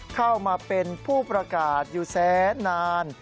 เข้ามาเป็นผู้ประกาศอยู่แสนนาน